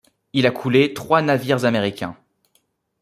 Il a coulé trois navires américains.